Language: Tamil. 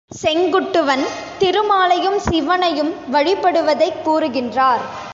செங்குட்டுவன் திருமாலையும், சிவனையும் வழிபடுவதைக் கூறுகின்றார்.